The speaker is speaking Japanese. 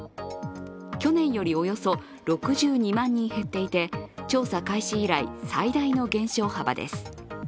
去年よりおよそ６２万人減っていて調査開始以来、最大の減少幅です。